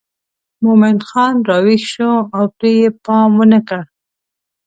مومن خان راویښ شو او پرې یې پام ونه کړ.